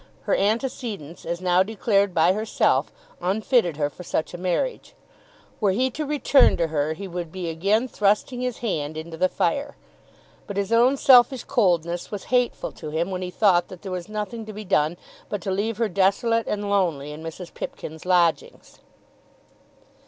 Her antecedents, as now declared by herself, unfitted her for such a marriage. Were he to return to her he would be again thrusting his hand into the fire. But his own selfish coldness was hateful to him when he thought that there was nothing to be done but to leave her desolate and lonely in Mrs. Pipkin's lodgings.